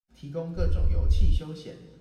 提供各種遊憩休閒